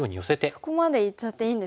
あっそこまでいっちゃっていいんですか。